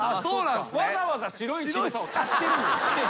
わざわざ「白い乳房」を足してるんです。